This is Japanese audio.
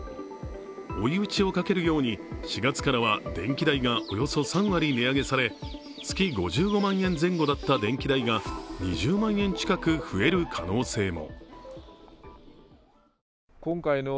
追い打ちをかけるように４月からは電気代がおよそ３割値上げされ、月５５万円前後だった電気代が２０万円近く増える可能性も。